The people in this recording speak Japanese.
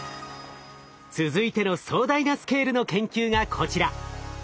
続いての壮大なスケールの研究がこちら。